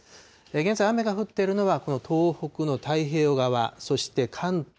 現在、雨が降っているのはこの東北の太平洋側、そして関東、